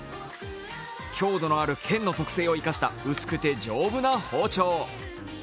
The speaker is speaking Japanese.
強度のある剣の特製を生かした薄くて丈夫な包丁。